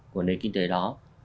của nền kinh tế đó